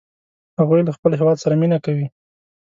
هغوی له خپل هیواد سره مینه کوي